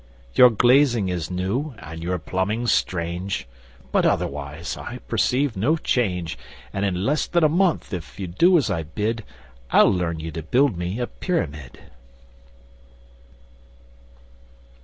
'Your glazing is new and your plumbing's strange, But other wise I perceive no change, And in less than a month, if you do as I bid, I'd learn you to build me a Pyramid.